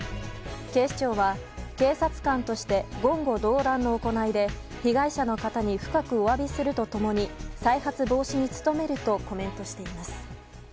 警視庁は警察官として言語道断の行いで被害者の方に深くお詫びすると共に再発防止に努めるとコメントしています。